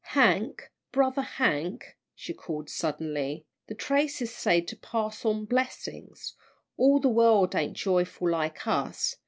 "Hank, brother Hank!" she called suddenly, "the Tracys say to pass on blessings. All the world ain't joyful like us.